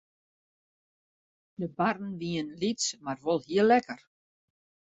De parren wienen lyts mar wol heel lekker.